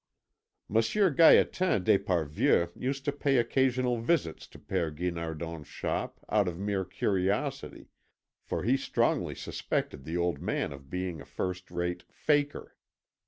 Monsieur Gaétan d'Esparvieu used to pay occasional visits to Père Guinardon's shop out of mere curiosity, for he strongly suspected the old man of being a first rate "faker."